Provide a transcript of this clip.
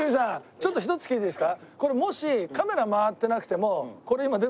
ちょっと一つ聞いていいですか？